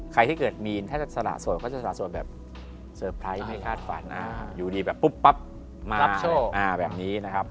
ใครที่เกิดมีนถ้าจะสละโสดก็จะสละโสดแบบเซอร์ไพรส์ไม่คาดฝันอยู่ดีแบบปุ๊บปั๊บมาปั๊บแบบนี้นะครับ